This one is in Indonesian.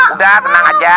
udah tenang aja